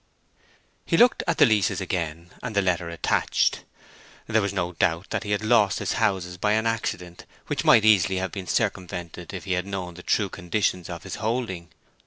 He looked at the leases again and the letter attached. There was no doubt that he had lost his houses by an accident which might easily have been circumvented if he had known the true conditions of his holding.